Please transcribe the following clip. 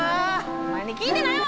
お前に聞いてないわ！